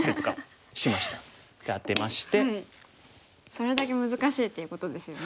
それだけ難しいっていうことですよね。